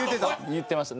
言ってました。